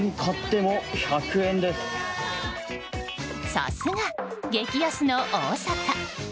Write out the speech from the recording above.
さすが、激安の大阪。